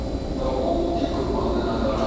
大きく混ぜながら。